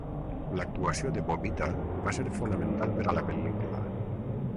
L'actuació de Bobita va ser fonamental per a la pel·lícula.